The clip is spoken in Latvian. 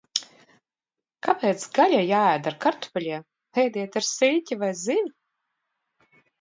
Kāpēc gaļa jāēd ar kartupeļiem? Ēdiet ar siļķi vai zivi!